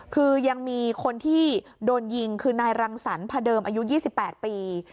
คือยังมีคนที่โดนยิงคือนายรังสรรพเดิมอายุ๒๘ปี